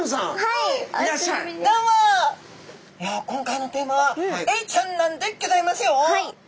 いや今回のテーマはエイちゃんなんでギョざいますよ。